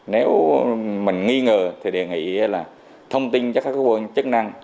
nếu mình nghi ngờ thì đề nghị là thông tin cho các cơ quan chức năng